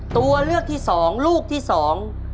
ตัวเลือกที่สองลูกที่สอง